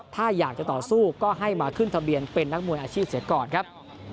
ถ้าอยากจะต่อสู้ก็ให้มาขึ้นทะเบียนเป็นนักมวยอาชีพเสียก่อนครับ